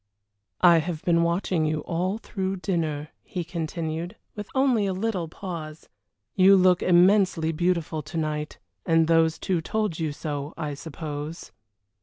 "I have been watching you all through dinner," he continued, with only a little pause. "You look immensely beautiful to night, and those two told you so, I suppose."